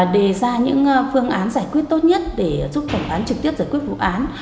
đề ra những phương án giải quyết tốt nhất để giúp thẩm phán trực tiếp giải quyết vụ án